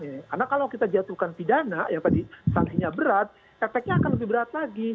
karena kalau kita jatuhkan pidana yang tadi sanksinya berat efeknya akan lebih berat lagi